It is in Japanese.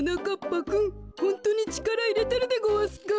ぱくんホントにちからいれてるでごわすか？